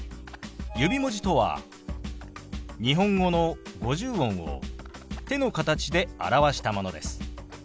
指文字とは日本語の五十音を手の形で表したものです。